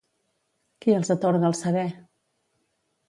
Qui els atorga el saber?